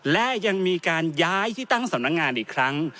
และยังมีการย้ายที่ตั้งสำนักงานอีกครั้ง